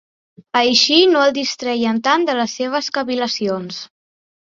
Així no el distreien tant de les seves cavil·lacions.